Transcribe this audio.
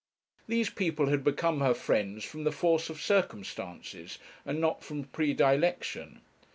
These people had become her friends from the force of circumstances, and not from predilection.